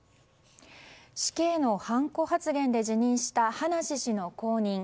死刑のはんこ発言で辞任した葉梨氏の後任